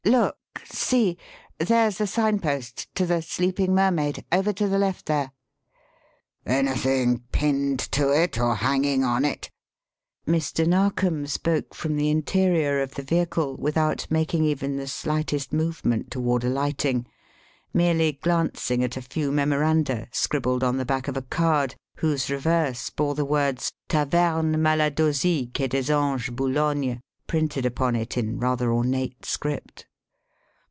"Look! see! There's the sign post 'To the Sleeping Mermaid' over to the left there." "Anything pinned to it or hanging on it?" Mr. Narkom spoke from the interior of the vehicle without making even the slightest movement toward alighting, merely glancing at a few memoranda scribbled on the back of a card whose reverse bore the words "Taverne Maladosie Quai des Anges, Boulogne," printed upon it in rather ornate script.